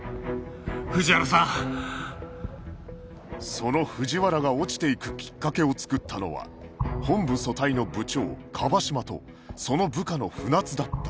その藤原が落ちていくきっかけを作ったのは本部組対の部長椛島とその部下の船津だった